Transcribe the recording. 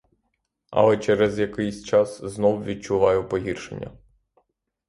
Але через якийсь час знов відчуваю погіршення.